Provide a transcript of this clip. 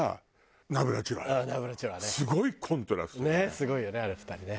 すごいよねあの２人ね。